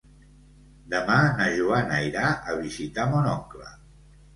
Demà na Joana irà a visitar mon oncle.